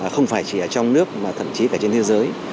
không phải chỉ ở trong nước mà thậm chí cả trên thế giới